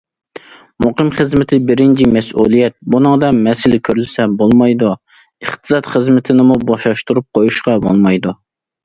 مۇقىملىق خىزمىتى بىرىنچى مەسئۇلىيەت، بۇنىڭدا مەسىلە كۆرۈلسە بولمايدۇ، ئىقتىساد خىزمىتىنىمۇ بوشاشتۇرۇپ قويۇشقا بولمايدۇ.